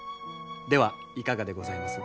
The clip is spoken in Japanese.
ではいかがでございます？